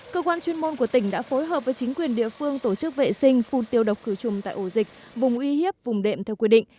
cơ quan chuyên môn của tỉnh đã phối hợp với chính quyền địa phương tổ chức vệ sinh phun tiêu độc khử trùng tại ổ dịch vùng uy hiếp vùng đệm theo quy định